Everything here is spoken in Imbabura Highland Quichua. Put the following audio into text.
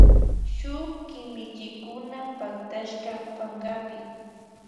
Shuk kimichikuna pactashka pankapi